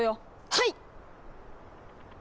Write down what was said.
はい！